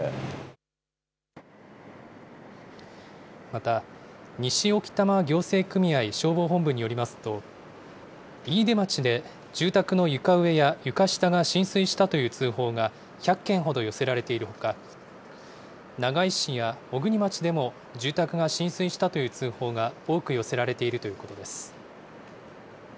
また、西置賜行政組合消防本部によりますと、飯豊町で住宅の床上や床下が浸水したという通報が１００件ほど寄せられているほか、長井市や小国町でも、住宅が浸水したという通報が多く寄せられているということです。